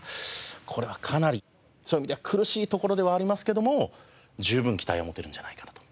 これはかなりそういう意味では苦しいところではありますけども十分期待を持てるんじゃないかなと。